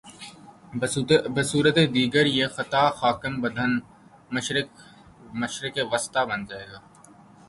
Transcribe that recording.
بصورت دیگریہ خطہ خاکم بدہن، مشرق وسطی بن جا ئے گا۔